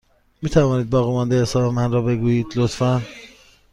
می توانید باقیمانده حساب من را بگویید، لطفا؟